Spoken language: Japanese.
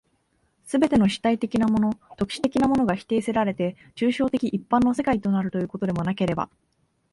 すべての主体的なもの、特殊的なものが否定せられて、抽象的一般の世界となるということでもなければ、